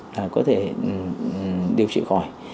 là có thể điều trị khỏi